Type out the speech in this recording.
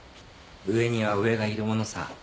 上には上がいるものさ。